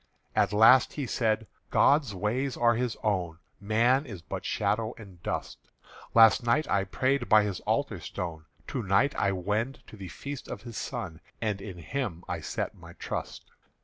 At last he said: "God's ways are His own; Man is but shadow and dust. Last night I prayed by His altar stone; To night I wend to the Feast of His Son; And in Him I set my trust.